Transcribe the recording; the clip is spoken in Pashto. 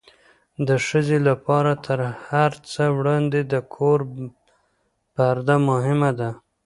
د ښځې لپاره تر هر څه وړاندې د کور پرده مهمه ده.